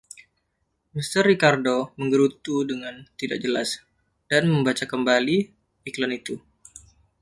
Mr. Ricardo menggerutu dengan tidak jelas, dan membaca kembali iklan itu.